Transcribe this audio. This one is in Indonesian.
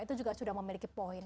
itu juga sudah memiliki poin